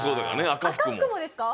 赤福もですか？